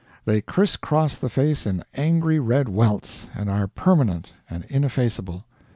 They crisscross the face in angry red welts, and are permanent and ineffaceable.